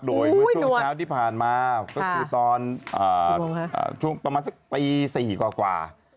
เมื่อช่วงเช้าที่ผ่านมาก็คือตอนประมาณสักปีสี่กว่า